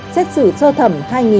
xét xử sơ thẩm hai bốn trăm ba mươi chín